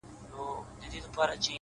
روح مي لا ورک دی; روح یې روان دی;